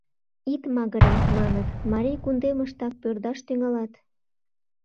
— Ит магыре, — маныт, — Марий кундемыштак пӧрдаш тӱҥалат.